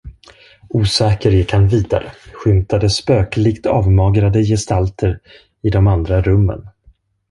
Osäker gick han vidare, skymtade spöklikt avmagrade gestalter i de andra rummen.